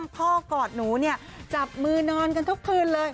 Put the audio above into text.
กอดหนูเนี่ยจับมือนอนกันทุกคืนเลย